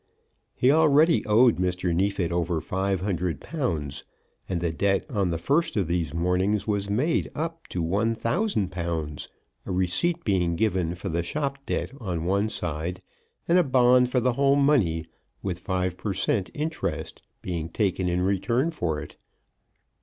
He already owed Mr. Neefit over five hundred pounds, and the debt on the first of these mornings was made up to one thousand pounds, a receipt being given for the shop debt on one side, and a bond for the whole money, with 5 per cent. interest, being taken in return for it.